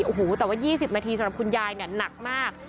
โอ้โหแต่ว่า๒๐นาทีสำหรับคุณยายเนี่ยหนักมาก